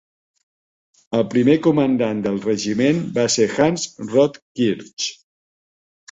El primer comandant del regiment va ser Hans Rotkirch.